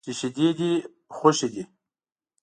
چې شیدې دې خوښ دي.